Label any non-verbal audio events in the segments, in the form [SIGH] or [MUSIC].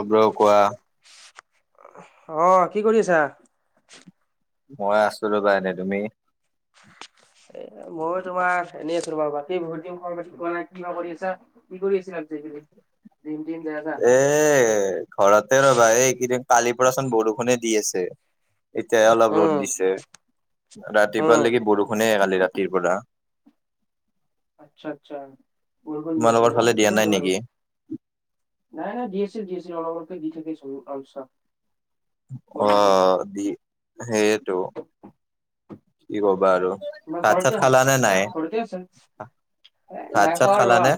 খবৰ কোৱা অ কি কৰি আছা মই আছো ৰ বা এনে তুমি এ ময়ো তোমাৰ এনেই আছো বাৰু বাকী ভত দিম ক বেছি কোৱা নাই কিবা কৰি আছা কি কৰি আছিলি দিন দিন দে যা হেই ঘৰতে ৰবা এইকেইদিন কালি পৰাচোন বৰষুণে দি আছে। এতিয়া অলপ ৰ'দ উম দিছে ৰাতিপুৱা উম নেকি বৰষুণে কালি ৰাতিৰ পৰা আচ্ছা আচ্চা বৰষুণ দিছে তোমালোকৰ ফালে দিয়া নাই ন নেকি নাই নাই দিয়ছে দিয়ছে অলপ অলকে দি থ চললচা অ দি সেইটো কি দিব বাৰু তোমাৰ ভাত ঘৰতে চাত খাল নে নাই ঘৰতে আছে এ ভাত নাই চাত খোৱা খালা ৰবা নে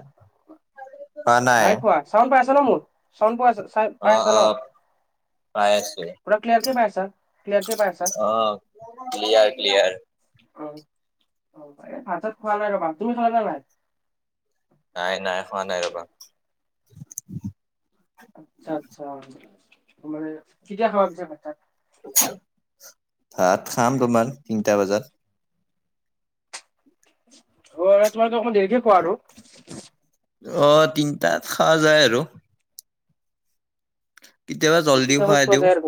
খোৱা নাই। চাউন পাই আছে ন মোৰ চাউন পাই আ চ পাই অ আছো ন অ পাই আছো পুৰা ক্লিয়াৰ কে পাইচা কক্লিয়াৰ কৈ পাই আচা অ ক্লিয়াৰ ক্লিয়াৰ অ অ ভাত শত খোৱা নাই ৰবা তুমি খোৱা না নাই নাই নাই হোৱা নাই ৰবা আচ্ছা আচ্ছা তোমে কেতিয়া খাবা পিছে ভাত ছাত ভাত খাম তোমাৰ তিনিটা বজাত অ', আৰু তোমালোকে অকমান দেৰিকে খোৱা আৰু। অ', তিনটাত খোৱা যায় আৰু। কেতিয়াবা জল্দি তিনটা মানত খুৱাই খোৱা দিওঁ যায় আৰু।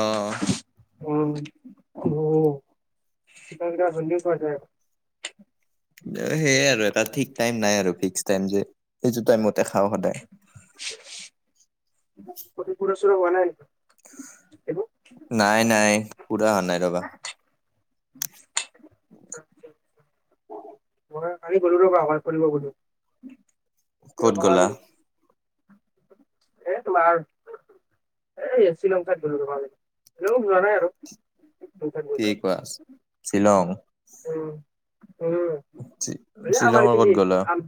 আহ। উম উ [UNINTELLIGIBLE] জল্দি কৰ সেইয়াই আৰু এটা ঠিক টাইম নাই আৰু ফিক্স টাইম যে সেটো টাইমতে খাওঁ সদায়। [INAUDIBLE] আজি পঢ়া চৰা হোৱা নাই। এইবোৰ নাই নাই পুৰা হোৱা নাই ৰবা। [INAUDIBLE] কালি গলোঁ ৰবা অকণমান ফুৰিব গলোঁ। ক'ত গ'লা? এ তোমাৰ এই শ্বিলং ঠাইত গলোঁ তোমাৰ ৰ বেলেগ ঠাইত যোৱা নাই আৰু। গ'লো। কি কোৱাছ শ্বিলং। উম, উম আমাৰ শ্বিলঙৰ পিন্দ ক'ত এ গ'লা আম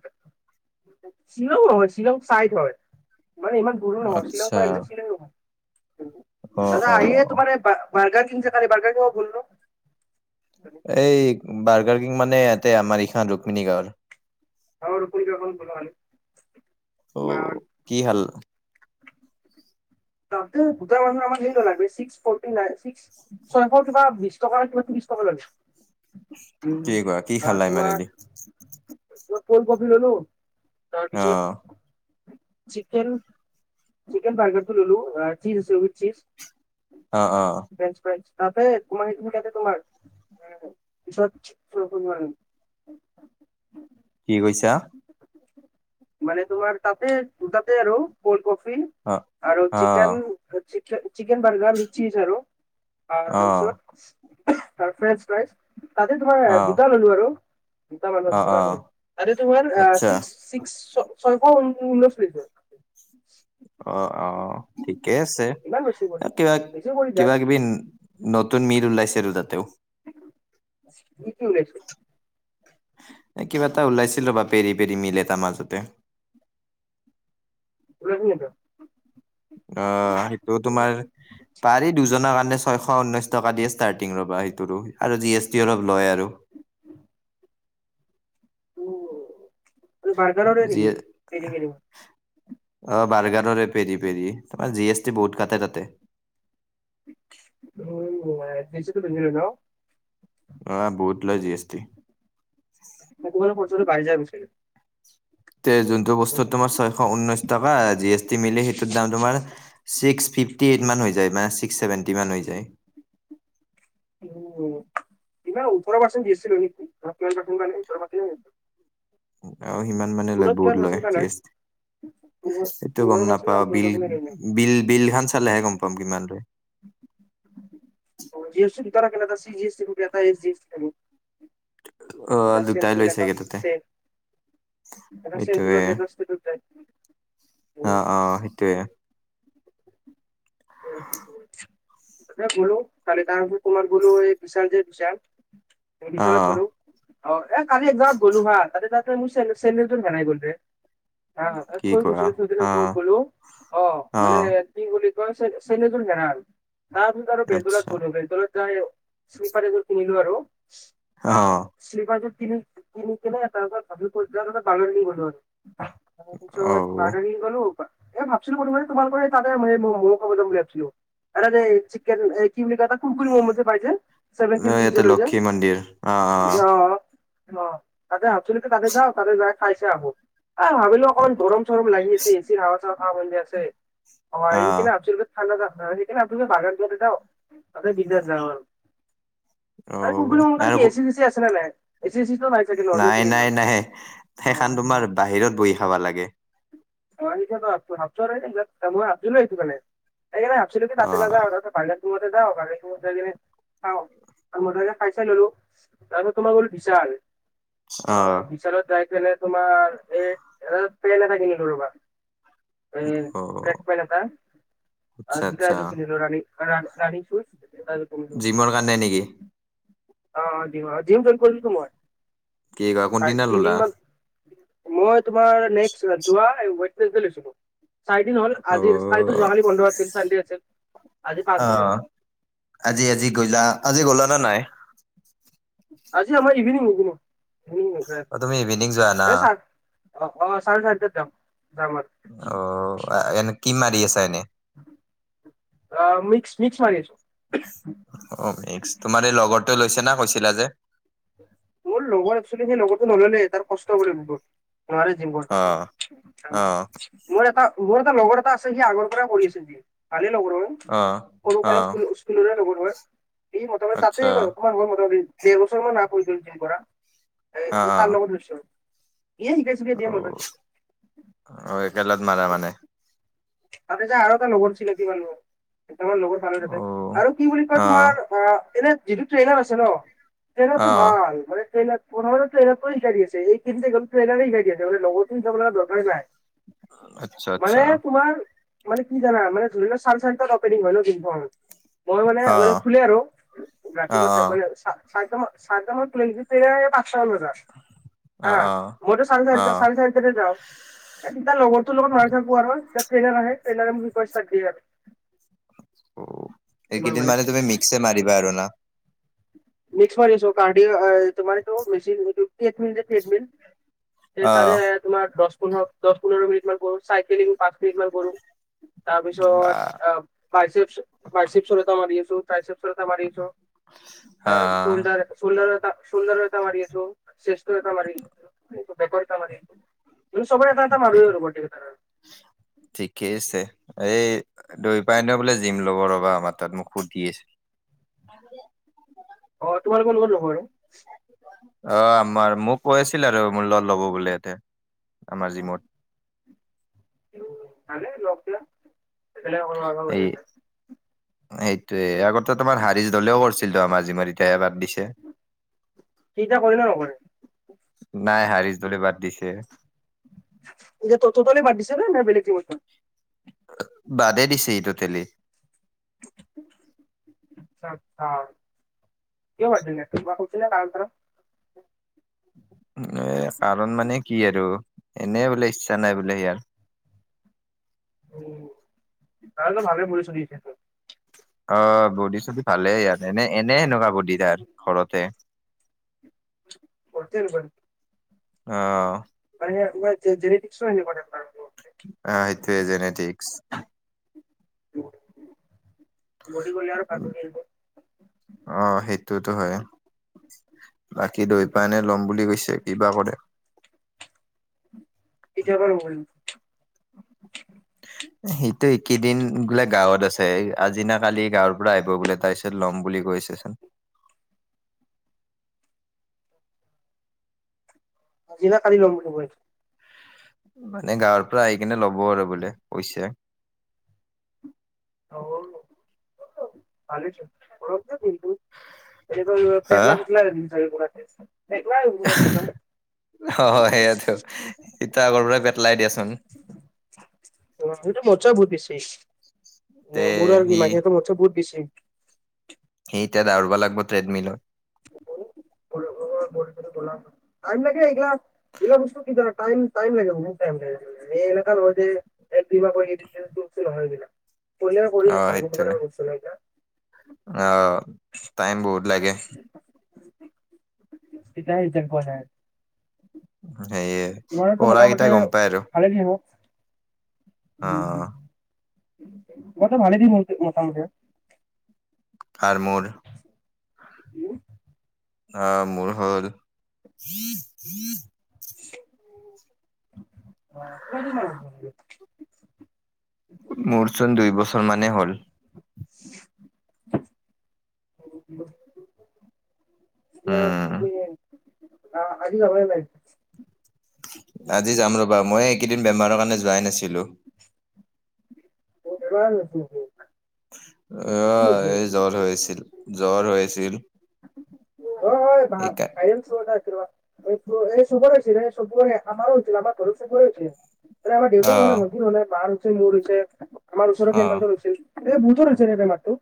শ্বিলং নহয় শ্বিলং চাইড হয় মানে ইমান দুৰ নহয় শ্বিলং আচ্ছা কৰা একজন শ্বিল নহয় অ দাদা অ আহে অ তোমাৰে ব বাৰগাৰ কিনচে বাৰগাৰ কিব বললো এই বাৰ্গাৰ কিনং মানে ইয়াতে আমাৰ ইখান ৰুক্মিণী গাঁৱৰ আ কব ক ব মে [UNINTELLIGIBLE] ত' কি হাল ত দুটা মানুহৰ আমাৰ সেইটো লাগ ছিক্স ফ'ৰটিন নাইন কিবা টকা লাগিব ত্ৰিছ টকা লাগে কি উ কোৱা কি খালা তোমাৰ ইমানেদি ক'লড কফি ললো অ তাৰপিছত চিকেন চিকেন বাৰ্গাৰটো ললো চিজ আছে উইথ চীজ অ অ আৰু ফ্ৰেঞ্চ ফ্ৰাইজ তাতে মান তুমি ত'তে তোমাৰ পিছত [UNINTELLIGIBLE] কি কৈছা। মানে তোমাৰ তাতে, তাতে আৰু ক'ল্ড কফি অ আৰু অ চিকেন, চিকেন বাৰ্গাৰ ঐত চিজ আৰু অ তাৰপিছত ফ্ৰেঞ্চ ফ্ৰাইজ তাতে অ তোমাৰ দুটা ললো আৰু। দুটা অ মানুহৰ অ তৰে [UNINTELLIGIBLE] তোমাৰ আচ্ছা চিক্স চিক্স ছয়শ উনৈশ হৈছে। অ', অ', ঠিকে আছে ইমান বেছি গ'ল কিবা, বেছি কৰি যায় কিবা কিবি নতুন মিদ উলাইছেটো তাতেওঁ। কি কি ওলাইছে। এই কিবা এটা ওলাইছিল ৰবা পেৰি, পেৰি মিলে তাৰ মাজতে। ওলাইছে নেকি। অ', সেইটো তোমাৰ পাৰি দুজনৰ কাৰণে ছয়শ ঊনৈশ টকা দিয়ে ষ্টাৰ্টিং কৰা সেইটো আৰু জি এছ অলপ লয় আৰু। [UNINTELLIGIBLE] নেকি যিয়ে বাৰ্গাৰ বিচাৰে উম অ', বাৰ্গাৰৰ পেৰি পেৰি তাৰমানে জি এছ টি বহুত কাটে তাতে। [UNINTELLIGIBLE] ন অ', বহুত লয় জি এছ টি। মোক কব [UNINTELLIGIBLE] তে যোনটো বস্তুত তোমাৰ ছয়শ ঊনৈশ টকা জি এছ টি মিলি সেইটোৰ দাম তোমাৰ ছিক্স ফিফটি এইট মান হৈ যায় মানে ছিক্স চছেভেন্টি মান হৈ যায়। [UNINTELLIGIBLE] উ ইমান ওঠৰ পাৰ্চেন্ট দিয়ছিলো নেকি পাৰ্চ [UNINTELLIGIBLE] মানে আৰু সিমান মানে লয় সুৰত কিমান বহুত পাৰ্চেণ্ট লয় কাৰণে? সেইটো পোন্ধৰ গম পাৰ্চেণ্ট না নাপাও ওঠৰ বিল পাৰ্চেণ্ট বিল বিল খন চালেহে গম পাম কিমান লয়। জি এ ি বিিক জি এ ি এ জি এ [UNINTELLIGIBLE] অ ৰাছিয়েল দুটাই তলে লৈছেগে কচ তাতে ষ্টে চটো ম সেইটোৱে নছটো [UNINTELLIGIBLE] তে বলো খালিদাৰ কুমাৰ গলো এই বিশাল যে বিশাল অ বিশালত গ'লো অ এ কালি একজামত গ'লো হা তাতে তাতে মোৰ চ চেন্দেলটো হেৰাই গলৰে। অ কি ক কোৱা বুছিলো তদিনা অ ক কলো অ মানে বুলি কয় চেনদেলজুৰ হেৰাল তাৰপিছত আৰু আচ্ছা বেন্দলত গলো বেণ্ডলত যায়। শ্লিপাৰ এযোৰ কিনিলো আৰু অ স্লিপাৰয ক কিনি কেনোই তাৰপ ভাল বানান নি গ [UNINTELLIGIBLE] ত অ পিছত পাৰ গলো এ ভাবছো ম ম তোমাৰ পৰা [UNINTELLIGIBLE] তাৰপিছত এ মম খাব যাম বুলি ভাবিছিলোঁ তাৰপিছত এ চিকেন কি বুলি কয় এইটো, কুুৰকুৰি মম যে পাইে চেভেনটি ৰুপিছ ইয়াতে লই যে লক্ষী মন্দিৰ অ - অ তাতে ভাবছিলো তাতে যাওঁ তাতে যাই খাই যাই আহো। আহ ভাবিলো অকনমান গৰম চৰম লাগি আছে এ চি হাৱা চাৱা খাও বধি আছে অ অ অকনে ঠাণ্ডা সেইকাৰণে আপোনালোকে বাগানটোত এটা তাতে বিন্দাছ যাওঁ আৰু। অ আৰু কুৰকুৰি ম'ম আৰু কাৰণে কো- এচি চেচি আছে নাই? এচি চেচি টো নাই। চাগে নৰ্মেল নাই চাগে নাই সেইখন। নাই অ', সেইখন অ', অ' তোমাৰ বাহিৰত বহি খাবা লাগে। মই নিশাছো ভাবছ ত মই ভাবিলো আহছোনেইকাৰণে ভাবিছিলো যে অ তাতে নাওঁ [UNINTELLIGIBLE] াৰ তোমতে যা ভ তম যাই কিনে খাও আৰু মে খাই চাই ললো [UNINTELLIGIBLE] তাৰপাছত তোমাৰ হ'ল বিশাল অ বিশালত যাই পিনে তোমাৰ এই এ পেন এটা কিনিলোঁ ৰবা সেই অ ব্লেক পেন এটা। আচ্ছা জোতা আচ্ছা এযোৰ কিনিলোঁ ৰানিং খোজ জোতা এযোৰ কিনিলোঁ। জিমৰ কাৰণে নেকি? অ জিম অ জিম জইন কৰিলছো মই কি কয় চাৰে কোনদিনা ললা তিনদিন মান। মই তোমাৰ নেক্স যোৱা ওৱেটনেছ দে লৈছিলোঁ। চাৰিদিন হ'ল অ আজিৰ কাইো যোোৱালি বন্ধ আছিল চানডে আছিল আজি পাঁচজন অ [UNINTELLIGIBLE] আজি আজি গলা আজি গ'লা নে নাই? আজি আমাৰ ইভিনং ইভিনংভ অ তুমি ইভিনিং যোৱা না এ চাৰ অ অ চাৰে চাৰিটাত যাম যাম আৰু অ এনে কি মাৰি আছা এনে? অ মিক্স মিক্স মাৰি আছোঁ। অ এস তোমাৰ এই লগৰে লৈছে না কৈছিলা যে মোৰ লগৰ একচ সেই লগৰতটো নললে তাৰ কষ্ট বোলে বহুত। নোৱাৰে দিনবোৰ অ পাহৰিব অ মোৰ এটা মোৰ এটা লগৰ এটা আছে সি আগৰ পৰাই কৰি আছিল ভালে লগৰ হয়। অ সৰু অ কালৰে স্কুল স্কুলৰে লগৰ হয় সি মোটামুটি তাতে আচ্ছা তোমাৰ ম মোটামুটি দেৰ বছৰ মান আপ হৈ গল জইন কৰা অ এ তাৰ লগত গৈছে সিয়েই ইনভেষ্ট অ অ একেলত মৰা মানে। [INAUDIBLE] তাতে যে আৰু এটা নগন চিনাকি মানুহ, এতি‌য়ালৈ লগৰ হোৱা নাই অ তাতে, আৰু কি বুলি কয় অ তোমাৰ- অ এনে যিটো ট্ৰেইনাৰ আছে ন, অ ট্ৰেইনাৰতটো ভাল মানে ট্ৰেইনাৰ ফোনত ট্ৰেইনাপ কৰি শিকাই দি আছে, এই কেইদিন যে গল ট্ৰেইনাৰে শিকাই দি আছে, মানে লগৰটোৰ শিকাই দিব লগা দৰকাৰে নাই। আচ্ছা মানে আচ্ছা। তোমাৰ মানে কি জানা মানে ধৰিলোৱা চাল চেন্টাৰ অপেনিং হয় ন দিনভৰ সেই অ মানে খুলে আৰু, অ অ ৰাতিপুৱা পেপৰিয়া চা চাৰটামা চাৰিটামান খুলে নেকি এ পাঁচটামান বজাত অ অ আ, মইটো চাৰে অ অ চাৰিটা চাৰে চাৰি- তে যাও, তেতিয়া লগৰটোৰ লগত মাল-চাল খোৱা হয়। তাত ট্ৰেইনাৰ আহে ট্ৰেইনাৰে মোৰ পৰা ষ্টাৰ্ট দিয়ে আৰু। অ' এইকেইদিন মানে তুমি মিক্সে মাৰিবা আৰু ন? মিক্স মাৰিছো কাৰ্ডিঅ এ তোমাৰ এইটো মেশিন যিটো ট্ৰেডমেন যে ট্ৰেডমেন হে অ তাৰে তোমাৰ দছ-পোন্ধৰ দছ-পোন্ধৰ মিনিট মান কৰো, চাইকেলিং পাঁচ মিনিট মান কৰো। তাৰ বা, পিছত বাইচেপচ, বাইচেপৰ এটা মাৰি আছো টাইচেপচৰ এটা মাৰি আছো। এ অ চোল্ডাৰ চোল্ডা'ৰ এটা চোল্ডাৰ এটা মাৰি আছো। চেষ্টৰ এটা মাৰি ডাম্বল এটা মাৰি আছো, চবৰে এটা এটা ঠিক মাৰো আৰু গোটেই কেইটা। [INAUDIBLE] ঠিকেই আছে, এই দৈপায়নেও বোলে জিম ল'ব ৰ'বা আমাৰ তাত মোক সুধি আছে। মাজতে অ তোমালোকৰ লগৰ নহয়? অ আমাৰ মোক কৈ আছিল আৰু মোৰ লত ল'ব বুলে ইয়াতে, আমাৰ জিমত। এই [UNINTELLIGIBLE] সেইটোয়ে, আগতে তোমাৰ হাৰিজ দলেও কৰিছিল ত আমাৰ জিমত এতিয়াহে বাদ দিছে। সি ইতিয়া কৰে না নকৰে? নাই হাৰিজ দলে বাদ দিছে। এতিয়া ত টতেলি বাদ দিছেনে নে বেলেগ টিমত গল? বাদে দিছে টোতেলি। [INAUDIBLE] আচ্ছা আচ্ছা। কিয় বাদ দিলে কিবা কৈছিল নে কাৰণ-চাৱন? এ কাৰণ মানে কি আৰু, এনে বোলে ইচ্ছা নাই বোলে ইয়াৰ। উ, [UNINTELLIGIBLE] অ' বডি-চডি ভালে ইয়াৰ এনে-এনে সেনকা বডি তাৰ, ঘৰতে। ঘৰতে ইমান অ মানেহ সেয়া জে-জেনেটিকচৰ হেনকা টাইপৰ অ' এইটোৱেই জেনেটিকচ্। সি গলে আৰু পাচজনে এৰিব অ সেইটোতো হয়। বাকী দৈপানে ল'ম বুলি কৈছে। কি বা কৰে? কেতিয়াৰ পৰা লব পাৰিব? [INAUDIBLE] সিটো ইকেদিন বোলে গাঁৱত আছে, আজি না কালি গাঁৱৰ পৰা আহিব বোলে তাৰ-ছ ল'ম বুলি কৈছে চোন। আজি বা কালি লম বুলি কৈছে। মানে গাঁৱৰ পৰা আহি কিনে ল'ব আৰু বোলে কৈছে। [UNINTELLIGIBLE] কত যাৱ তালৈ যাম ঘৰত যাম কিন্তু। এইবাৰ হা পেটলা পেটলা জিম পৰা [UNINTELLIGIBLE] আছে পেটলা হব চাগে একদম। হ' অ' সেইয়াতো, ইতা আগৰ পৰায়ে পেটলাই দিয়াচোন। সেইটো মুছে বহুত বেছি, তে নে মোৰ আৰু সি মাহিটো মুছে বহুত বেছি। সেই এতিয়া দাৰিব লাগিব ট্ৰেডমিলৰ। পাৰিম নেকি এইগিলাক। এইবিলাক বস্তু কি জানা টাইম, টাইম লাগে বহুত টাইম লাগে। [UNINTELLIGIBLE] কৰিয়ে অ কৰিয়ে, পাৰে সেইটোয়ে কিন্তু বস্তু নাই। অ' টাইম বহুত লাগে। [UNINTELLIGIBLE] সেইয়ে। তোমাৰটো মোটা মোটি খালে দিয়ে হ। অ মইতো ভালে দি মোটা মুতি। [UNINTELLIGIBLE] উম। অ' মোৰ হ'ল। অ' কিমান দিন মান [UNINTELLIGIBLE] মোৰচোন দুই বছৰ মানেই হ'ল। [UNINTELLIGIBLE] এতিয়া উম তুমি, আজি যাবানে নাই? আজি যাম ৰ'বা, মই এইকেইদিন বেমাৰৰ কাৰণে যোৱাই নাছিলো। অ'বেমাৰ নেকি তোমাৰ? অ' এই জ্বৰ হৈছিল, জ্বৰ হৈ আছিল। অ' হয়, ভাই সেইকা ভাইৰেল জ্বৰ, কাহ। এই চবৰে হৈছিল, এই চবৰে, আমাৰো হৈছিল, আমাৰ ঘৰত চবৰে হৈছিল। মানে আমাৰ দেউতাৰ হোৱা অ' নাই, ভণ্টিৰ হোৱা নাই, বাৰ হৈছে, মোৰ হৈছে, আমাৰ ওচৰৰ অ' কেম্পাছৰ হৈছিল। এ বহুতৰ হৈছে এই বেমাৰটো।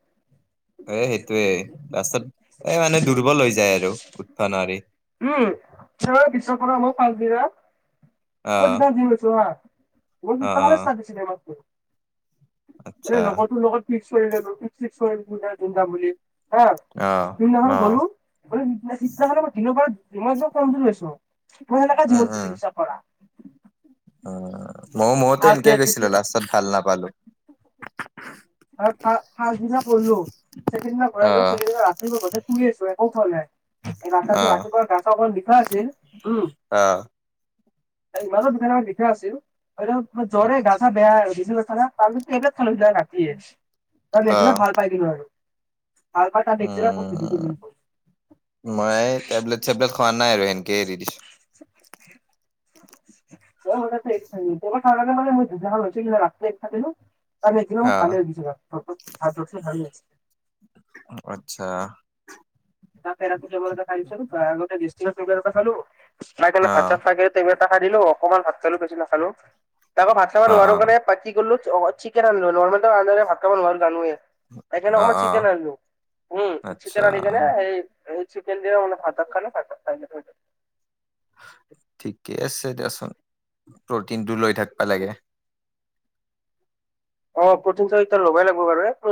এ সেইটোয়ে, লাষ্টত এ মানে দুৰ্বল হৈ যায় আৰু উঠিব নোৱাৰি। উম, [UNINTELLIGIBLE] বিশ্বকৰ্মা [UNINTELLIGIBLE] পাচদিনা। অ' অ' অ' [UNINTELLIGIBLE] আচ্ছা এই লগৰটো লগত ফিক্স কৰিলে, ফিক্স চিক্স কৰিলে বুলে জিম যাম বুলি। হা' অ' সিদিনাখন অ' গ'লো, সিদিনাখনৰ পৰা দিনৰ পৰা মই একদম কমজুৰি হৈছো। মই সেনেকে উম জীমট চিকিৎসা কৰা। অঁ' মই মইয়ো তেনেকে গৈছিলো, লাষ্টত ভাল নাপালো। আৰু ফাষ্ট দিনা কৰিলো, ছেকেন দিনা ঘূৰিলোঁ, অ' ছেকেণ্ড দিনা ৰাতি [UNINTELLIGIBLE] শুই আছো একো খোৱা নাই, এই [UNINTELLIGIBLE] টো অ' ৰাতিপুৱাৰ গা-ছা অকনমান বিষাই আছিল। উমঁ। অঁ। ইমানো বিষা নাই [UNINTELLIGIBLE] আছিল, জ্বৰে গা-ছা বেয়া [UNINTELLIGIBLE] তাৰপিছত টেবলেট খালো ৰাতিয়ে, তাৰপিছত নেক্সদিনা অ' ভাল পাই গলো আৰু। ভাল পাই তাৰ নেক্স দিনা উম আকৌ [UNINTELLIGIBLE] টেবলেট-চেবলেট খোৱা নাই আৰু এনকে এৰি দিছোঁ। [INAUDIBLE] [UNINTELLIGIBLE] আৰু এতিয়া অ' ভালে হৈ গৈছে ৰ [UNINTELLIGIBLE] অ' আচ্ছা। তাতে ৰাতি টেবলেট এটা খাই দিছিলো, তাৰ আগতে গেষ্ট্ৰিকৰ টেবলেট এটা খালো, খাই পেলাই ভাত অ' ছাত খাই কে টেবলেট এটা খাইদিলো, অকনমান ভাত খালো, বেছি নাখালো, তাৰপৰা ভাত খাব অ' নোৱাৰো অ' কাৰণে কৰিলো অঠিকে নিৰ্মল দৰে ভাত খাব নোৱাৰো জানোৱে। সেইকাৰণে অ', অকমান অ', চিকেন আনিলোঁ উম আচ্ছা চিকেন কেনে সেই এই চিকেন দিয়ে মানে ভাত চাত খালো। ভাত চাত খাই ঠিকে আছে দিয়া চোন প্ৰটিনটো লৈ থাকিবা লাগে। অঁ, প্ৰটিনটো এটিয়া লবই লাগিব বাৰু। এই